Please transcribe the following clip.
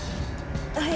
はい。